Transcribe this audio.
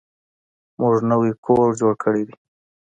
موږ نوی کور جوړ کړی دی.